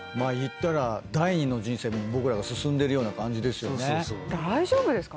言ったら第二の人生僕らが進んでるような感じですよね。